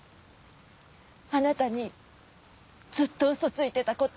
あなたにずっとウソついてたこと。